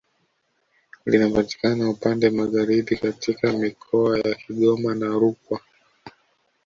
Linapatikana upande Magharibi katika mikoa ya Kigoma na Rukwa